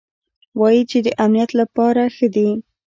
وايي چې د امنيت له پاره ښه دي.